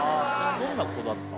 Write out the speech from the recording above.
どんな子だった？